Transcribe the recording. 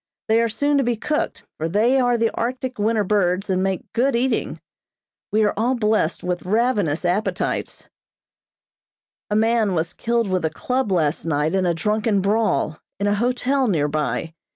They are soon to be cooked, for they are the Arctic winter birds and make good eating. We are all blessed with ravenous appetites. A man was killed with a club last night in a drunken brawl, in a hotel near by.